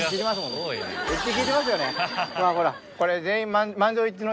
ほらほらこれ全員。